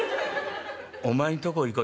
お前んとこ行こ」。